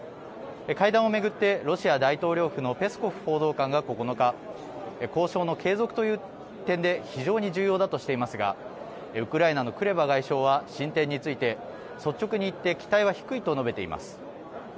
会談を巡ってロシア大統領府のペスコフ報道官が９日、交渉の継続という点で非常に重要だとしていますが、ウクライナのクレバ外相は進展について、率直にいって期待は低いと述べています。